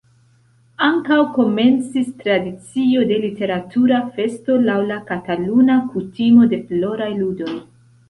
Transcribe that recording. Ankaŭ komencis tradicio de Literatura Festo laŭ la kataluna kutimo de Floraj Ludoj.